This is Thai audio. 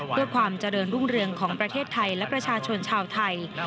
เพื่อความเจริญรุ่งเรืองของประเทศไทยและประชาชนชาวไทย